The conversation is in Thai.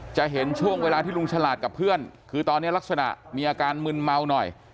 จะเห็นช่วงเวลาที่ลุงฉลาดกับเพื่อนคือตอนนี้ลักษณะมีอาการมึนเมาหน่อย